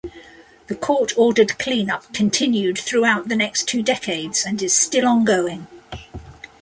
The court ordered cleanup continued throughout the next two decades and is still ongoing.